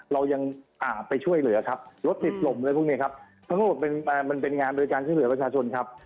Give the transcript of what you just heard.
เรายังไปช่วยเหลือครับรถติดลมอะไรพวกนี้ครับทั้งหมดเป็นมันเป็นงานโดยการช่วยเหลือประชาชนครับ